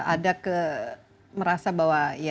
ada merasa bahwa